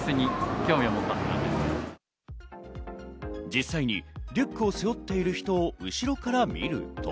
実際にリュックを背負ってる人を後ろから見ると、